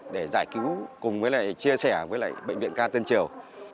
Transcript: để giải cứu cùng với lại chia sẻ với lại bệnh viện ca tân triều